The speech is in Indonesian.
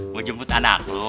gua jemput anak lo